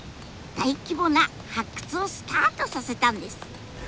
大規模な発掘をスタートさせたんです。